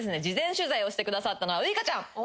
事前取材をしてくださったのはウイカちゃん。